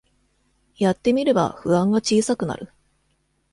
やってみれば不安が小さくなる